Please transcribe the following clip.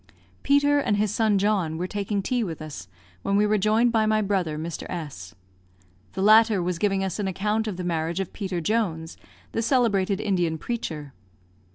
Peter and his son John were taking tea with us, when we were joined by my brother, Mr. S . The latter was giving us an account of the marriage of Peter Jones, the celebrated Indian preacher.